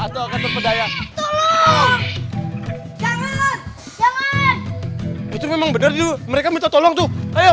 tolong jangan jangan itu memang benar dulu mereka minta tolong tuh ayo